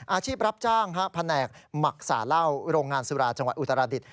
อาชีพรับจ้างแผนกหมักสาเหล้าโรงงานสุราจังหวัดอุตราดิษฐ